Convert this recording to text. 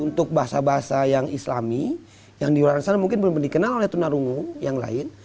untuk bahasa bahasa yang islami yang di luar sana mungkin belum dikenal oleh tunarungu yang lain